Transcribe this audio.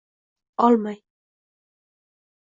olmay…